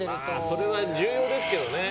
それは重要ですよね。